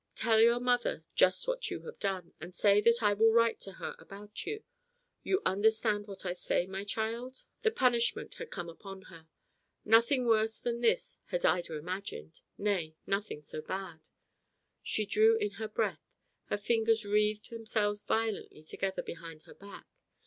Tell your mother just what you have done, and say that I will write to her about you. You understand what I say, my child?" The punishment had come upon her. Nothing worse than this had Ida imagined; nay, nothing so bad. She drew in her breath, her fingers wreathed themselves violently together behind her back.